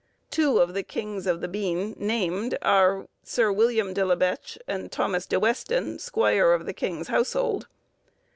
Two of the kings of the bean named, are, Sir William de la Bech, and Thomas de Weston, squire of the king's household.